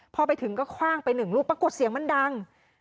พอไปถึงก็คว่างไปหนึ่งลูกปรากฏเสียงมันดัง